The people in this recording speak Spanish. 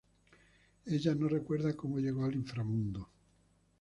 Ella no recuerda como llegó al inframundo.